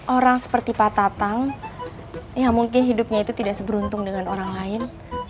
orang seperti pak tatang yang mungkin hidupnya itu tidak seberuntung dengan orang lain